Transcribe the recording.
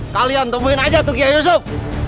kalian temuin aja tuh kia yusuf